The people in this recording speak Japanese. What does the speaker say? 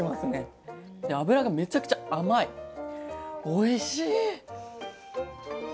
おいしい！